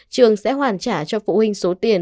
trường sẽ hoàn trả cho phụ huynh số tiền